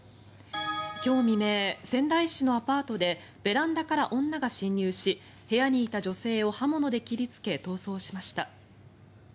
今日未明、仙台市のアパートでベランダから女が侵入し部屋にいた女性を刃物で切りつけ逃走しました。